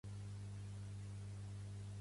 Pertany al moviment independentista la Mauricia?